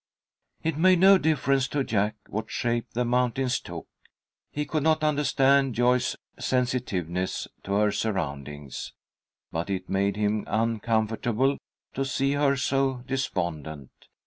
It made no difference to Jack what shape the mountains took. He could not understand Joyce's sensitiveness to her surroundings. But it made him uncomfortable to see her so despondent.